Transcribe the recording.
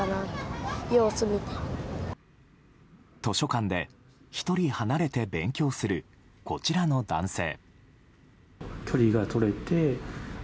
図書館で１人離れて勉強するこちらの男性。